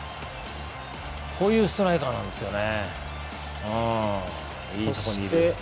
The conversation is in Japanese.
こういうストライカーなんですよね。